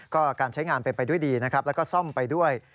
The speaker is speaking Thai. ก็การใช้งานเป็นไปด้วยดีนะครับแล้วก็ซ่อมไปด้วย